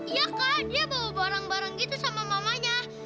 iya kan dia bawa barang barang gitu sama mamanya